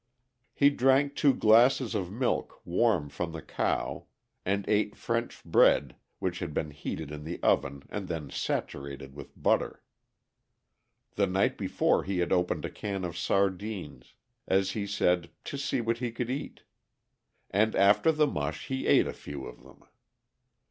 He drank two glasses of milk warm from the cow, and ate French bread which had been heated in the oven and then saturated with butter. The night before he had opened a can of sardines, as he said, "to see what he could eat," and after the mush he ate a few of them.